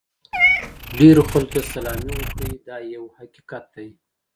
ډېرو خلکو ته سلامي وکړئ دا یو حقیقت دی.